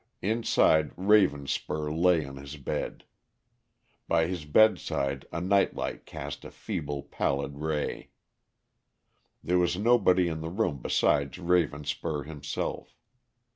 Inside, Ravenspur lay on his bed. By his bedside a nightlight cast a feeble pallid ray. There was nobody in the room besides Ravenspur himself.